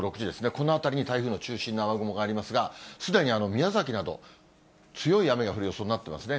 この辺りに台風の中心の雨雲がありますが、すでに宮崎など、強い雨が降る予想になっていますね。